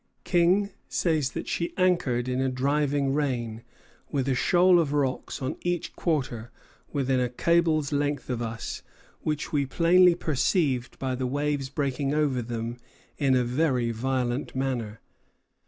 King says that she anchored in a driving rain, "with a shoal of rocks on each quarter within a cable's length of us, which we plainly perceived by the waves breaking over them in a very violent manner."